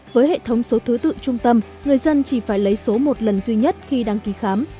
với hệ thống số thứ tự trung tâm người dân chỉ phải lấy số một lần duy nhất khi đăng ký khám